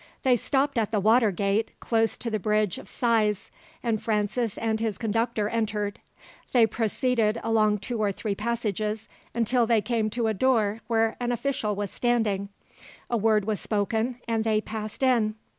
They stopped at the water gate, close to the Bridge of Sighs, and Francis and his conductor entered. They proceeded along two or three passages, until they came to a door where an official was standing. A word was spoken, and they passed in.